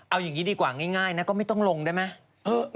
เอาอย่างนี้ดีกว่าง่ายนะก็ไม่ต้องลงได้ไหม